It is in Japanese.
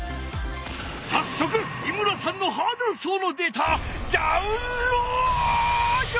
さっそく井村さんのハードル走のデータダウンロード！